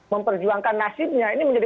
memperjuangkan nasibnya ini menjadi